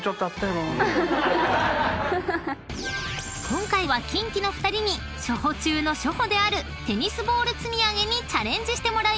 ［今回はキンキの２人に初歩中の初歩であるテニスボール積み上げにチャレンジしてもらいまーす］